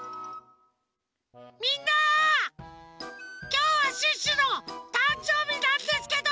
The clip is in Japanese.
きょうはシュッシュのたんじょうびなんですけど！